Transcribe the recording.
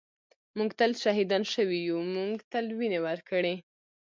ًٍمونږ تل شهیدان شوي یُو مونږ تل وینې ورکــــړي